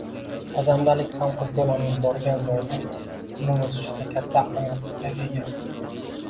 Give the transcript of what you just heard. Pazandalik ham qiz bolaning borgan joyida unib-o‘sishida katta ahamiyatga ega.